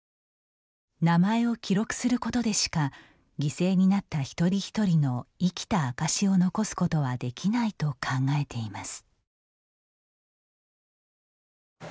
名前を記録することでしか犠牲になった一人一人の生きた証しを残すことはできないと考えています。